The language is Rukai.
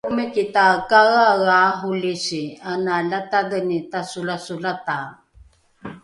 omiki takaeaea arolisi ana latadheni tasolasolatae